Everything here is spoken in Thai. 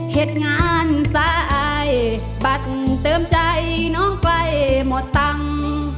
เหตุงานสายบัตรเติมใจน้องไปหมดตังค์